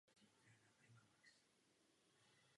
Komise letos představila návrh revize finančního nařízení.